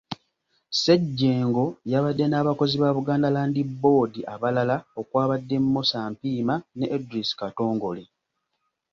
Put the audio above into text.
Ssejjengo yabadde n’abakozi ba Buganda Land Board abalala okwabadde Musa Mpiima ne Edris Katongole.